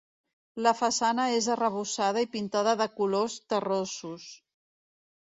La façana és arrebossada i pintada de colors terrosos.